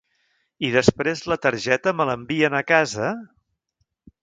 I després la targeta me l'envien a casa?